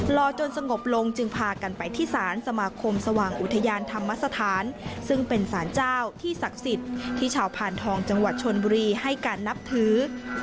รอจนสงบลงจึงพากันไปที่ศาลสมาคมสว่างอุทยานธรรมสถานซึ่งเป็นสารเจ้าที่ศักดิ์สิทธิ์ที่ชาวพานทองจังหวัดชนบุรีให้การนับถือ